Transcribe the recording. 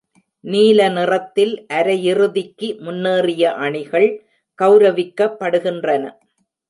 நீல நிறத்தில் அரையிறுதிக்கு முன்னேறிய அணிகள் கௌரவிக்க படுகின்றன.